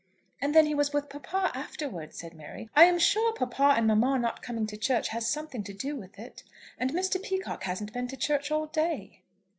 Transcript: "And then he was with papa afterwards," said Mary. "I am sure papa and mamma not coming to church has something to do with it. And Mr. Peacocke hasn't been to church all day."